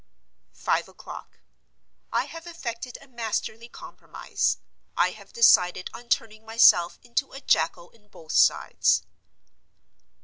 Five o'clock.—I have effected a masterly compromise; I have decided on turning myself into a Jack on both sides.